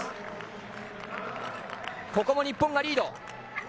ここも日本がリード。